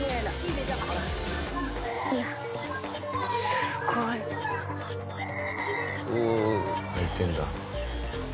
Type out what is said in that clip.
すごい。泣いてるんだ。